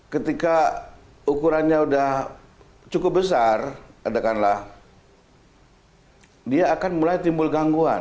ketika ukurannya sudah cukup besar katakanlah dia akan mulai timbul gangguan